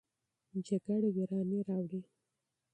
جنګ ویراني راوړي.